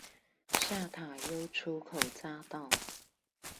下塔悠出口匝道